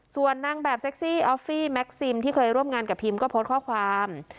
ส่วนนางแบบเซ็กซี่ออฟฟี่แม็กซิมที่เคยร่วมงานกับพิมก็โพสต์ข้อความ